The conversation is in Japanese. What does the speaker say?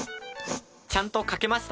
ちゃんと書けました。